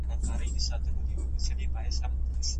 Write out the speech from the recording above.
تاسو به د ژوند په ستونزو کي نه وارخطا کیږئ.